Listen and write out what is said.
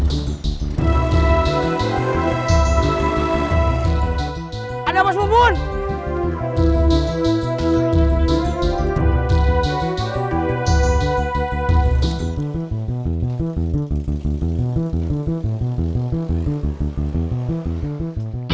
tidak ada tempat untuk mencari